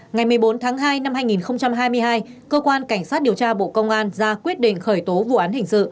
ngày một mươi bốn tháng hai năm hai nghìn hai mươi hai cơ quan cảnh sát điều tra bộ công an ra quyết định khởi tố vụ án hình sự